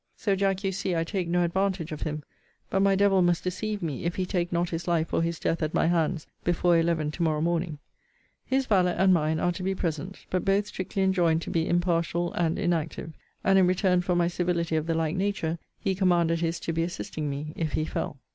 So, Jack, you see I take no advantage of him: but my devil must deceive me, if he take not his life or his death at my hands before eleven to morrow morning. His valet and mine are to be present; but both strictly enjoined to be impartial and inactive: and, in return for my civility of the like nature, he commanded his to be assisting me, if he fell.